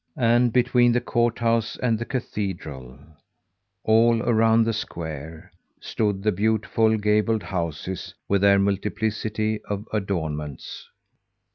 And between the courthouse and the cathedral, all around the square, stood the beautiful gabled houses with their multiplicity of adornments.